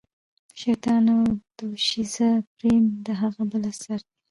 شیطان او دوشیزه پریم د هغه بل اثر دی.